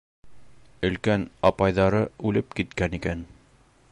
Өлкән апайҙары үлеп киткән икән.